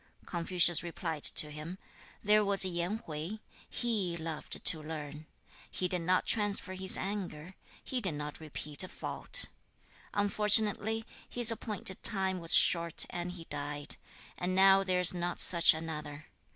Confucius replied to him, 'There was Yen Hui; HE loved to learn. He did not transfer his anger; he did not repeat a fault. Unfortunately, his appointed time was short and he died; and now there is not such another.